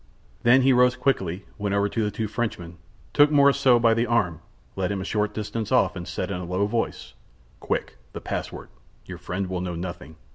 Then he rose quickly, went over to the two Frenchmen, took Morissot by the arm, led him a short distance off, and said in a low voice: "Quick! the password! Your friend will know nothing.